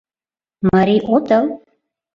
Марий отыл?